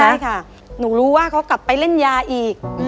ใช่ค่ะหนูรู้ว่าเขากลับไปเล่นยาอีก